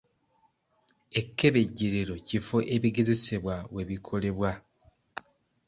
Ekkebejjerero kifo ebigezesebwa we bikolebwa.